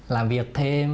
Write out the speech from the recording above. làm việc thêm